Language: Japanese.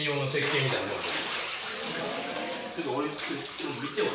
ちょっと見て俺。